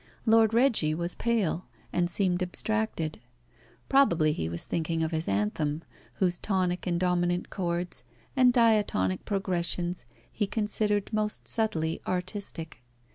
Lord Reggie was pale, and seemed abstracted. Probably he was thinking of his anthem, whose tonic and dominant chords, and diatonic progressions, he considered most subtly artistic.